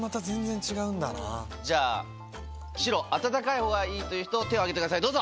じゃあ白温かいほうがいいという人手を挙げてくださいどうぞ！